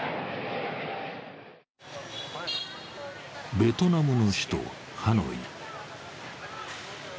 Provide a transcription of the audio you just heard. ベトナムの首都・ハノイ。